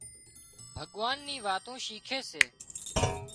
ڀُڳوان ني واتون شيکي سي